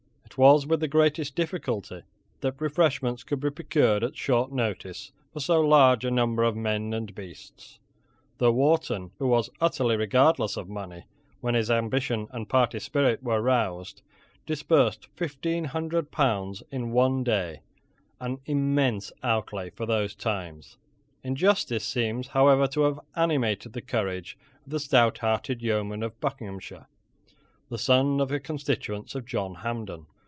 It was with the greatest difficulty that refreshments could be procured at such short notice for so large a number of men and beasts, though Wharton, who was utterly regardless of money when his ambition and party spirit were roused, disbursed fifteen hundred pounds in one day, an immense outlay for those times. Injustice seems, however, to have animated the courage of the stouthearted yeomen of Bucks, the sons of the constituents of John Hampden.